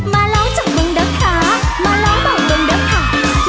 มาร้องจากบรึงเดอะคะมาร้องบบบรึงเดอะคะ